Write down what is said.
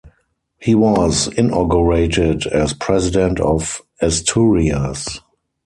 He was inaugurated as President of Asturias.